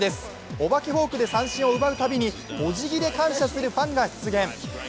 お化けフォークで三振を奪うたびにおじぎで感謝するファンが出現。